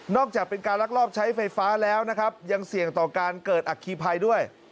จากเป็นการลักลอบใช้ไฟฟ้าแล้วนะครับยังเสี่ยงต่อการเกิดอัคคีภัยด้วย